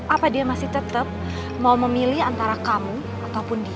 apa dia masih tetap mau memilih antara kamu ataupun dia